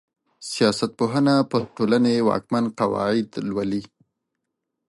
سياست پوهنه پر ټولني واکمن قواعد لولي.